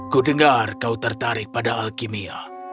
kudengar kau tertarik pada alkimia